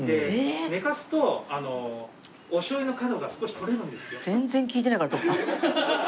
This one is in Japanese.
寝かすとおしょうゆの角が少し取れるんですよ。